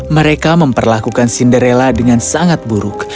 mereka memperlakukan cinderella dengan sangat buruk